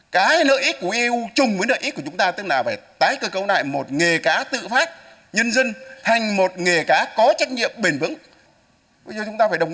cái nợ ích của eu chùng với nợ ích của chúng ta tức là phải tái cơ cấu lại một nghề cát